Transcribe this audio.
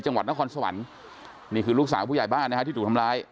จังหวัดนครสวรรค์นี่คือลูกสาวผู้ใหญ่บ้านนะฮะที่ถูกทำร้าย